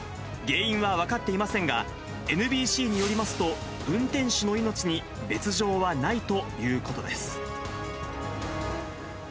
原因は分かっていませんが、ＮＢＣによりますと、運転手の命に別状はないということです。